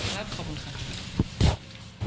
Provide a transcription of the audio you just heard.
ขอบคุณครับ